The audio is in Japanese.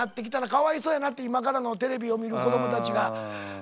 かわいそやなって今からのテレビを見る子どもたちが。